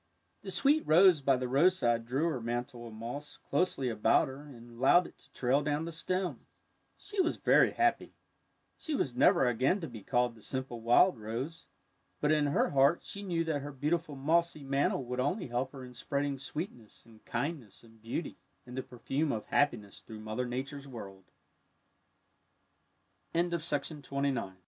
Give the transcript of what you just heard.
The sweet rose by the roadside drew her mantle of moss closely about her and allowed it to trail down the stem. She was very happy. J 106 THE WILD ROSE She was never again to be called the simple wild rose, but in her heart she knew that her beautiful mossy mantle would only help her in spreading sweetness and kindness and beauty and the perfume of happiness through Mother N